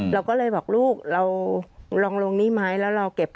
เราก็เลยบอกลูก